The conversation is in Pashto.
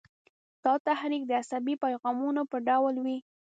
دا تحریک د عصبي پیغامونو په ډول وي.